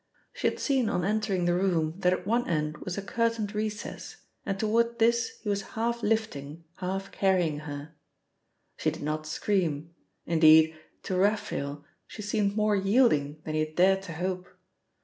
She had seen on entering the room that at one end was a curtained recess, and toward this he was half lifting, half carrying her. She did not scream, indeed, to Raphael, she seemed more yielding than he had dared to hope.